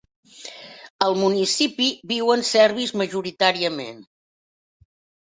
Al municipi viuen serbis majoritàriament.